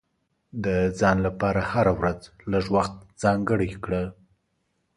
د ځان لپاره هره ورځ لږ وخت ځانګړی کړه.